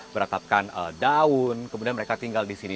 mereka menemukan daun kemudian mereka tinggal di sini